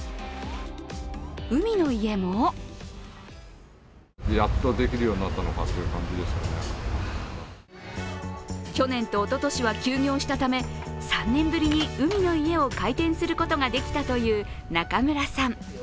海の家も去年とおととしは休業したため、３年ぶりに海の家を開店することができたという中村さん。